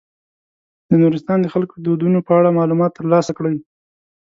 د نورستان د خلکو د دودونو په اړه معلومات تر لاسه کړئ.